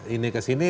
ini ke sini